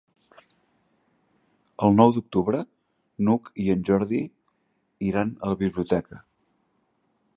El nou d'octubre n'Hug i en Jordi iran a la biblioteca.